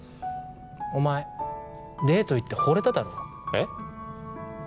お前デート行ってホレただろえっ？